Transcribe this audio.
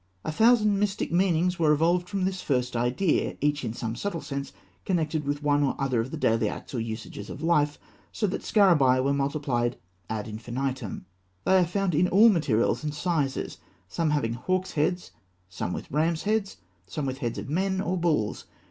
A thousand mystic meanings were evolved from this first idea, each in some subtle sense connected with one or other of the daily acts or usages of life, so that scarabaei were multiplied ad infinitum. They are found in all materials and sizes; some having hawks' heads, some with rams' heads, some with heads of men or bulls.